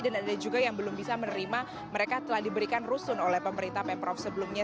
dan ada juga yang belum bisa menerima mereka telah diberikan rusun oleh pemerintah pemprov sebelumnya